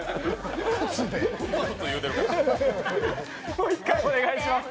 もう一回お願いします。